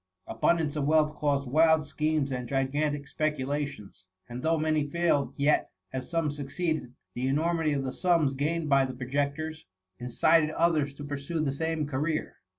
Abundance of wealth caused wild schemes and gigantic speculations; and though many failed, yet, as some succeeded, the enormity of the sums gained by the projectors, indted others to pur sue the same career.